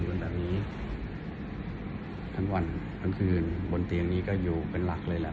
กันแบบนี้ทั้งวันทั้งคืนบนเตียงนี้ก็อยู่เป็นหลักเลยแหละ